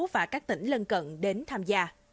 và các tỉnh lân cận đến tham gia